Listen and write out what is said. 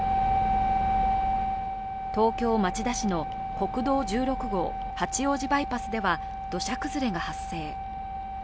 東京・町田市の国道１６号八王子バイパスでは土砂崩れが発生。